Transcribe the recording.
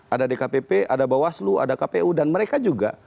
ada dkpp ada bawaslu ada kpu dan mereka juga